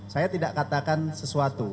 saya tidak katakan sesuatu